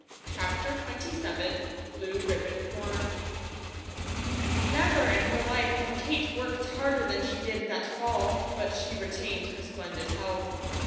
'" CHAPTER XXVII BLUE RIBBON CORN NEVER in her life had Kate worked harder than she did that fall; but she retained her splendid health.